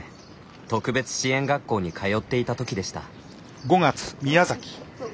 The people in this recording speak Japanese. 特別支援学校に通っていたときでした。